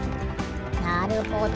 なるほど。